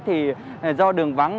thì do đường vắng